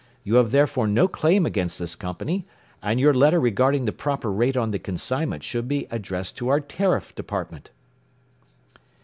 You have therefore no claim against this company, and your letter regarding the proper rate on the consignment should be addressed to our Tariff Department.